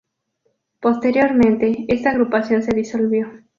Posteriormente, esta agrupación se disolvió.